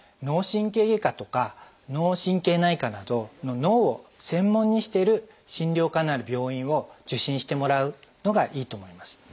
脳神経外科とか脳神経内科など脳を専門にしてる診療科のある病院を受診してもらうのがいいと思います。